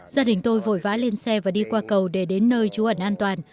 gia đình tôi vội vã lên xe và đi qua cầu để đến nơi trú ẩn an toàn